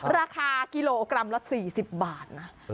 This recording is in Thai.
ราคากิโลกรัมละ๔๐บาทนะ